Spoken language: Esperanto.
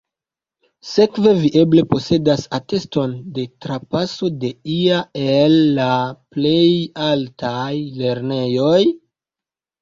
Sekve vi eble posedas ateston de trapaso de ia el la plej altaj lernejoj?